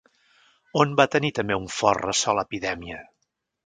On va tenir també un fort ressò l'epidèmia?